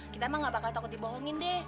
kita mah gak bakal takut dibohongin deh